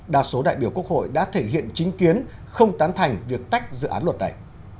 đa số đại biểu quốc hội đã thể hiện chính kiến không tán thành việc tách dự án luật này